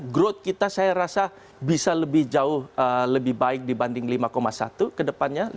growth kita saya rasa bisa lebih jauh lebih baik dibanding lima satu ke depannya